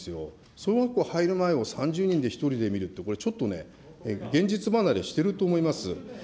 小学校入る前を３０人を１人で見るって、これちょっとね、現実離れしてると思います。